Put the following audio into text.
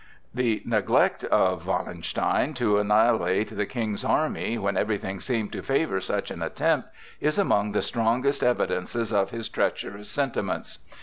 This neglect of Wallenstein to annihilate the King's army, when everything seemed to favor such an attempt, is among the strongest evidences of his treacherous sentiments.